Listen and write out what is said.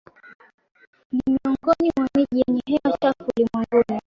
ni miongoni mwa miji yenye hewa chafu ulimwenguni